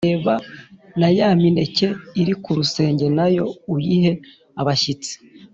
reba na ya mineke iri ku rusenge na yo uyihe abashyitsi.